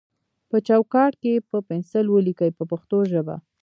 په چوکاټ کې یې په پنسل ولیکئ په پښتو ژبه.